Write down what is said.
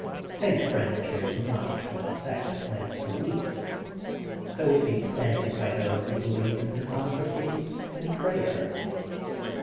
St. Friend cares not what sect plants the wheat, so it be planted by those who believe in de mocracy and prayer.